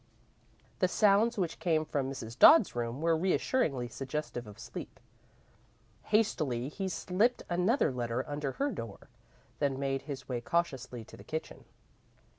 The sounds which came from Mrs. Dodd's room were reassuringly suggestive of sleep. Hastily, he slipped another letter under her door, then made his way cautiously to the kitchen.